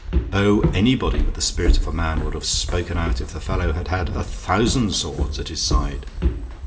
Oh, anybody with the spirit of a man would have spoken out if the fellow had had a thousand swords at his side.